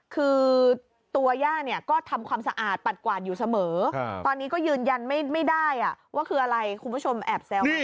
คือตัวย่าเนี่ยก็ทำความสะอาดปัดกวาดอยู่เสมอตอนนี้ก็ยืนยันไม่ได้ว่าคืออะไรคุณผู้ชมแอบแซวให้